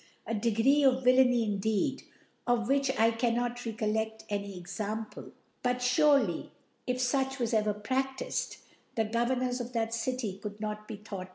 A Degree of Villainy, in deed, of which I cannot rccolleft any Ex ample : But furely.if fuch was ever pradifed, the Governors of that City could not be thought.